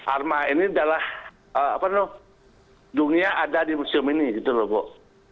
arma ini adalah dunia ada di museum ini gitu loh bu